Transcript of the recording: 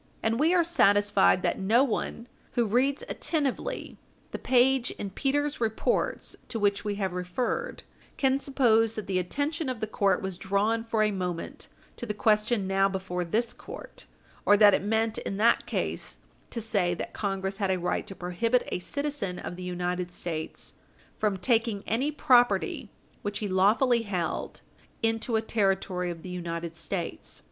And we are satisfied that no one who reads attentively the page in Peters' Reports to which we have referred can suppose that the attention of the court was drawn for a moment to the question now before this court, or that it meant in that case to say that Congress had a right to prohibit a citizen of the United States from taking any property which he lawfully held into a Territory of the United States.